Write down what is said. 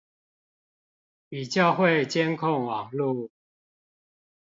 比較會監控網路